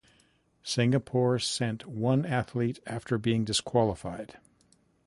Singapore sent one athlete after being qualified.